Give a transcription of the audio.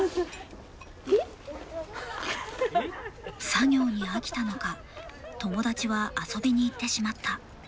作業に飽きたのか友達は遊びに行ってしまった。